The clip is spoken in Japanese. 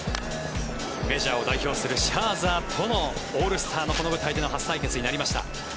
メジャーを代表するシャーザーとのオールスターでのこの舞台での初対決となりました。